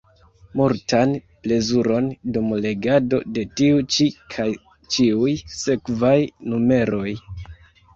Multan plezuron dum legado de tiu ĉi kaj ĉiuj sekvaj numeroj!